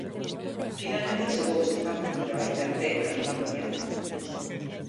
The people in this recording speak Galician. Finalmente chegou este pacto, pero aínda ten camiño por diante.